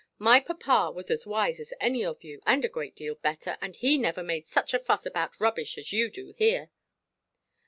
My papa was as wise as any of you, and a great deal better; and he never made such a fuss about rubbish as you do here."